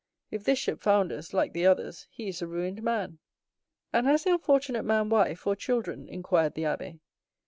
If this ship founders, like the others, he is a ruined man." "And has the unfortunate man wife or children?" inquired the abbé.